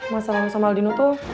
masalah masalah sama aldinu tuh